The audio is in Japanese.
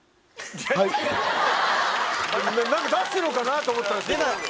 何か出すのかなと思ったんですけど。